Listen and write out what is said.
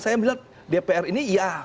saya melihat dpr ini ya